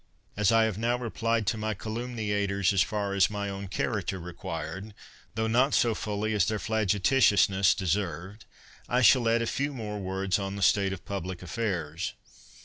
As I have now replied to my calumniators, as far as my own character required, tho not so f uUy as their flagitiousness deserved, I shall add a few more words on the state of public affairs.